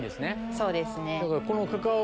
そうですねだ